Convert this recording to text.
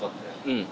うん。